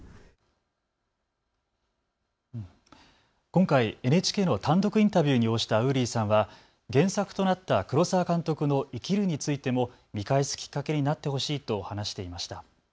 今回、ＮＨＫの単独インタビューに応じたウーリーさんは原作となった黒澤監督の生きるについても見返すきっかけになってほしいと話していました。